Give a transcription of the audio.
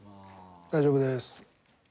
大丈夫です。